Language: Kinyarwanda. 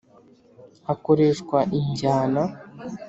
Hakoreshwa injyana